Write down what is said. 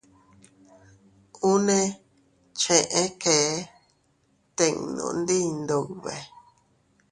Unne cheʼe kee tinnu ndi Iyndube.